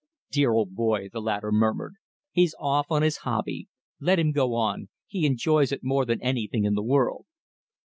"Dear old boy," the latter murmured, "he's off on his hobby. Let him go on! He enjoys it more than anything in the world."